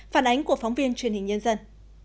phản ánh của phóng viên truyền hình nhân dân